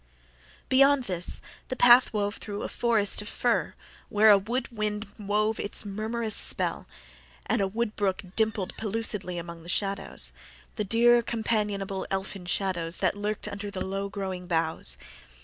Beyond this the path wound through a forest of fir, where a wood wind wove its murmurous spell and a wood brook dimpled pellucidly among the shadows the dear, companionable, elfin shadows that lurked under the low growing boughs.